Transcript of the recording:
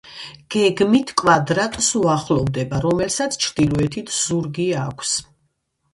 გეგმით კვადრატს უახლოვდება, რომელსაც ჩრდილოეთით ზურგი აქვს.